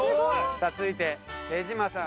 さあ続いて手島さん。